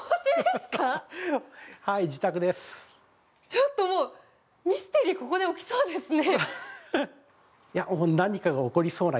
ちょっともう、ミステリー、ここで起きそうですね。